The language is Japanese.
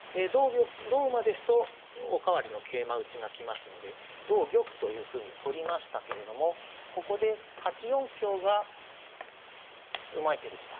同馬ですとおかわりの桂馬打ちが来ますので同玉というふうに取りましたけれどもここで８四香がうまい手でした。